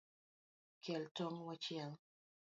Kel tong’ wachiel